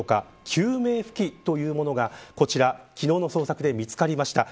救命浮きというものが昨日の捜索で見つかりました。